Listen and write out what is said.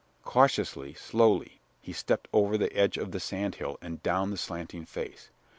Cautiously, slowly, he stepped over the edge of the sand hill and down the slanting face.